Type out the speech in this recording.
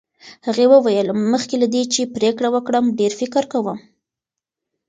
هغې وویل، مخکې له دې چې پرېکړه وکړم ډېر فکر کوم.